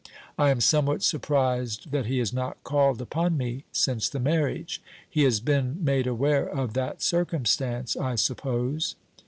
I am somewhat surprised that he has not called upon me since the marriage. He has been made aware of that circumstance, I suppose?"